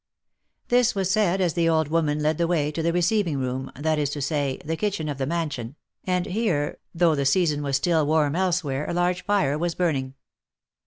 This was said as the old woman led the way to the receiving room, that is to say, the kitchen of the mansion, and here, though the season was still warm elsewhere, a large fire was burning.